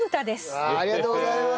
ありがとうございます。